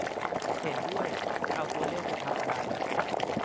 เห็นด้วย จะเอาตัวเลขไปทำอะไร